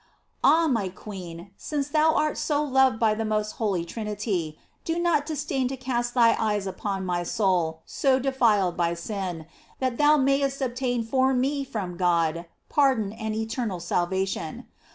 Ah, iny queen, since thou art so loved by the most Holy Trinity, do not disdain to cast thy eyes upon my soul so defiled by sin, that thou mayest obtain for me, from God, pardon and eternal salvation.